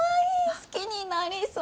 好きになりそう。